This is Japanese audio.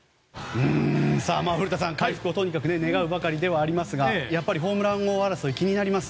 古田さん、回復をとにかく願うばかりではありますがやっぱりホームラン王争い